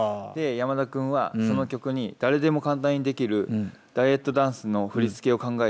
山田君はその曲に誰でも簡単にできるダイエットダンスの振り付けを考えて動画を投稿してん。